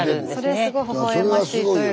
それすごいほほ笑ましいというか。